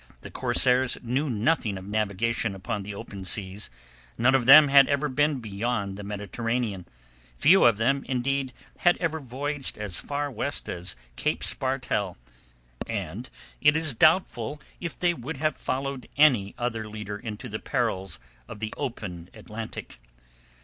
The corsairs knew nothing of navigation upon the open seas, none of them had ever been beyond the Mediterranean, few of them indeed had ever voyaged as far west as Cape Spartel, and it is doubtful if they would have followed any other leader into the perils of the open Atlantic.